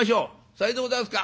「さようでございますか。